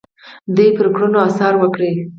دوی پر کړنو اثر وکړي.